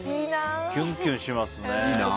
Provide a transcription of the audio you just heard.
キュンキュンしますね。